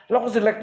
lokasi di tkp